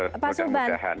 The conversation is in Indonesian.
ya betul mudah mudahan